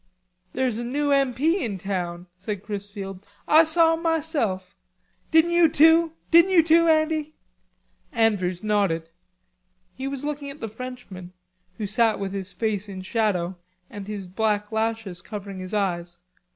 "There's a new M.P. in town," said Chrisfield.... "Ah saw him maself.... You did, too, didn't you, Andy?" Andrews nodded. He was looking at the Frenchman, who sat with his face in shadow and his black lashes covering his eyes.